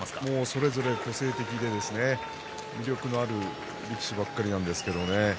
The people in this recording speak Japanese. それぞれ個性的な魅力のある力士ばっかりなんですけどね。